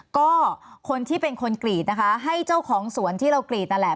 ก็คนที่เป็นคนกรีดนะคะให้เจ้าของสวนที่เรากรีดนั่นแหละ